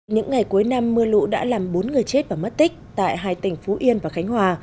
những ngày cuối năm mưa lũ đã làm bốn người chết và mất tích tại hai tỉnh phú yên và khánh hòa